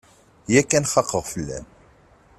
Yakan xaqeɣ fell-am.